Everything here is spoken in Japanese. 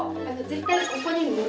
絶対ここに乗る。